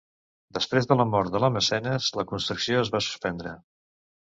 Després de la mort de la mecenes, la construcció es va suspendre.